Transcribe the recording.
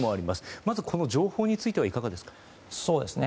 まずこの情報についてはいかがですか。